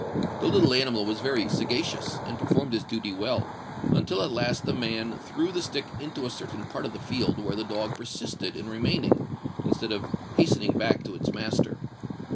The little animal was very sagacious, and performed its duty well: until at last the man threw the stick into a certain part of the field where the dog persisted in remaining, instead of hastening back to its master.